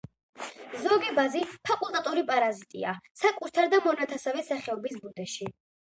ზოგი ბაზი ფაკულტატური პარაზიტია საკუთარ და მონათესავე სახეობის ბუდეში.